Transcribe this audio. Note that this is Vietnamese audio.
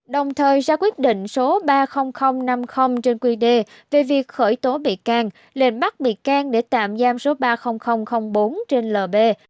đồng thời ra quyết định số ba mươi nghìn năm mươi trên quy đề về việc khởi tố bị can lệnh bắt bị can để tạm giam số ba mươi nghìn bốn trên lb